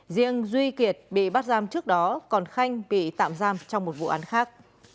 riêng duy kiệt bị bắt giam trước đó còn khanh bị tạm giam trong một vụ án khác